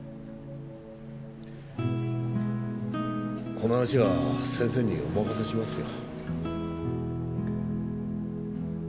この話は先生にお任せしますよ。